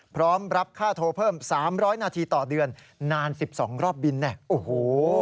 พร้อมรับค่าโทรเพิ่ม๓๐๐นาทีต่อเดือนนาน๑๒รอบบินเนี่ยโอ้โห